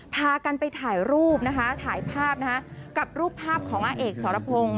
พากันไปถ่ายรูปนะคะถ่ายภาพนะคะกับรูปภาพของอาเอกสรพงศ์